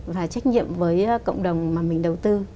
và trách nhiệm với cộng đồng mà mình đầu tư